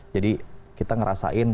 jadi kita ngerasain